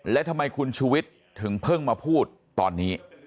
และทำไมคุณชูวิทย์ถึงเพิ่งมาพูดตอนนี้